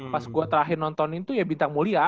pas gue terakhir nonton itu ya bintang mulia